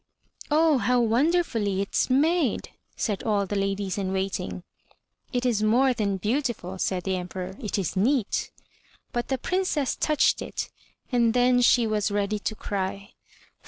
"Oh, how wonderfully it is made!" said all the ladies in waiting. "It is more than beautiful," said the Emperor; "it is neat." But the Princess touched it, and then she was ready to cry.